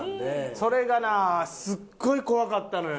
それがなすごい怖かったのよ